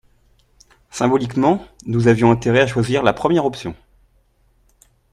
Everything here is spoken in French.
Symboliquement, nous avions intérêt à choisir la première option.